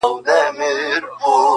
کډه ستا له کلي بارومه نور ,